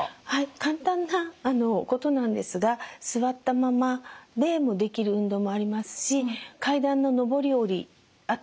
簡単なことなんですが座ったままでもできる運動もありますし階段の上り下りあと